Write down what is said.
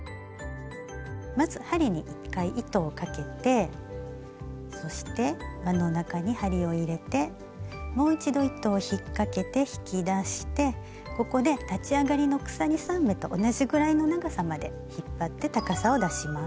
まず針に１回糸をかけてそして輪の中に針を入れてもう一度糸を引っ掛けて引き出してここで立ち上がりの鎖３目と同じぐらいの長さまで引っ張って高さを出します。